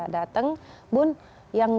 datang bun yang